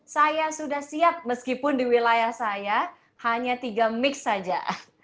saya sudah siap meskipun di wilayah saya hanya tiga mix saja